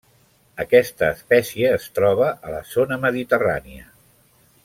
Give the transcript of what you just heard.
Aquesta espècie es troba a la zona mediterrània.